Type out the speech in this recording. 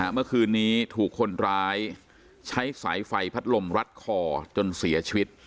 เมื่อคืนนี้ถูกคนร้ายใช้สายไฟพัดลมรัดคอจนเสียชีวิต